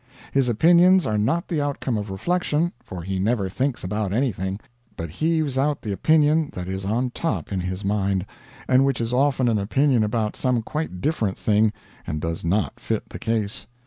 His opinions are not the outcome of reflection, for he never thinks about anything, but heaves out the opinion that is on top in his mind, and which is often an opinion about some quite different thing and does not fit the case.